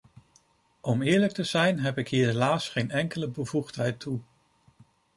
Om eerlijk te zijn heb ik hier helaas geen enkele bevoegdheid toe.